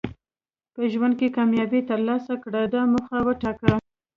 په ژوند کې کامیابي ترلاسه کړه دا موخه وټاکه.